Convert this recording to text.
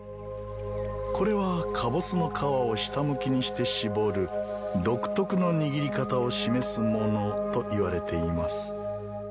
これはかぼすの皮を下向きにして搾る独特の握り方を示すものといわれています。